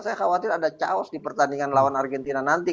saya khawatir ada chaos di pertandingan lawan argentina nanti